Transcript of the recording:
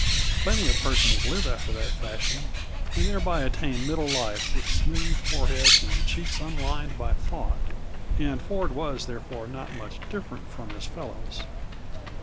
Plenty of persons live after that fashion and thereby attain middle life with smooth foreheads and cheeks unlined by thought; and Ford was therefore not much different from his fellows.